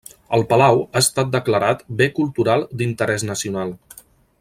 El palau ha estat declarat Bé Cultural d'Interès Nacional.